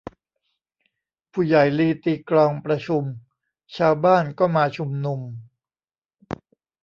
ผู้ใหญ่ลีตีกลองประชุม ชาวบ้านก็มาชุมนุม